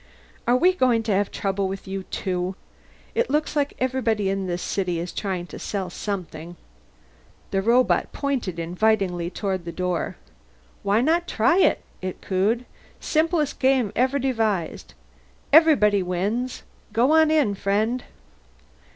"Are we going to have trouble with you too? It looks like everybody in this city is trying to sell something." The robot pointed invitingly toward the door. "Why not try it?" it cooed. "Simplest game ever devised. Everybody wins! Go on in, friend."